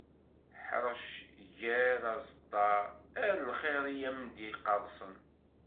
Ḥrec, ger aẓeṭṭa, err lxiḍ i am-d-iqqersen.